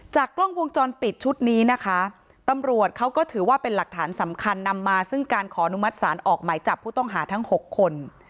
กล้องวงจรปิดชุดนี้นะคะตำรวจเขาก็ถือว่าเป็นหลักฐานสำคัญนำมาซึ่งการขออนุมัติศาลออกหมายจับผู้ต้องหาทั้ง๖คน